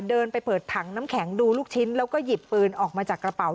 เดินไปเปิดถังน้ำแข็งดูลูกชิ้นแล้วก็หยิบปืนออกมาจากกระเป๋า